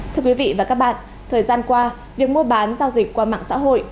thưa quý vị và các bạn thời gian qua việc mua bán giao dịch qua mạng xã hội